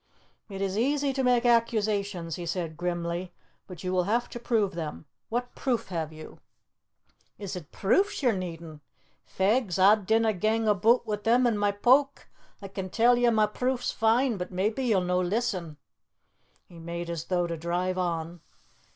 "It is easy to make accusations," he said grimly, "but you will have to prove them. What proof have you?" "Is it pruifs ye're needin'? Fegs, a dinna gang aboot wi' them in ma poke! A can tell ye ma pruifs fine, but maybe ye'll no listen." He made as though to drive on.